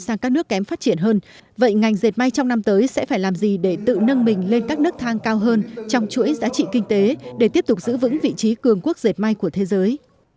sang các nước kém phát triển hơn vậy ngành dệt may trong năm tới sẽ phải làm gì để tự nâng mình lên các nước thang cao hơn trong chuỗi giá trị kinh tế để tiếp tục giữ vững vị trí cường quốc dệt may của thế giới